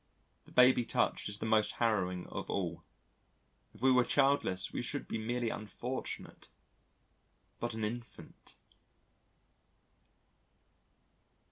The Baby touch is the most harrowing of all. If we were childless we should be merely unfortunate, but an infant....